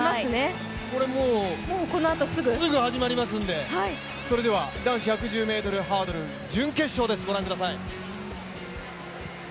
これもうすぐ始まりますので、それでは男子１１０ｍハードル準決勝です、ご覧ください。